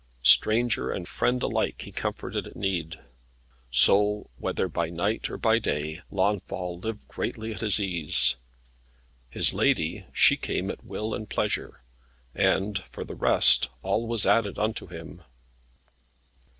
Stranger and friend alike he comforted at need. So, whether by night or by day, Launfal lived greatly at his ease. His lady, she came at will and pleasure, and, for the rest, all was added unto him.